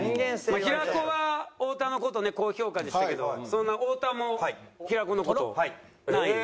平子は太田の事ね高評価でしたけどそんな太田も平子の事何位？